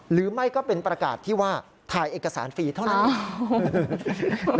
หรือไม่ก็เป็นประกาศที่ว่าถ่ายเอกสารฟรีเท่านั้น